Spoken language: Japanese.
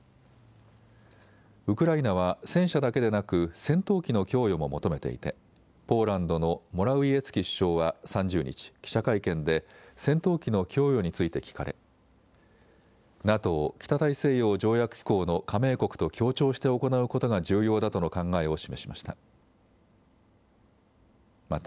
ウクライナは戦車だけでなく、戦闘機の供与も求めていて、ポーランドのモラウィエツキ首相は３０日、記者会見で戦闘機の供与について聞かれ、ＮＡＴＯ・北大西洋条約機構の加盟国と協調して行うことが重要だとの考えを示しました。